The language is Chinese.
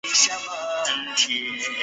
斑皮蠹属是皮蠹科下的一个属。